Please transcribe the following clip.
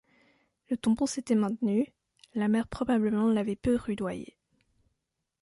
Le tampon s’était maintenu, la mer probablement l’avait peu rudoyé.